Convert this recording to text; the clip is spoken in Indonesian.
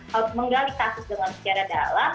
harus menggali kasus dengan secara dalam